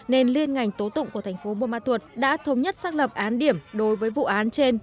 nên liên ngành tố tụng của thành phố buôn ma thuột đã thống nhất xác lập án điểm đối với vụ án trên